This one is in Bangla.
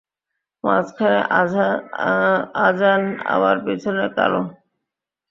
মাঝখানে আজান, আবরার পিছনে কালো?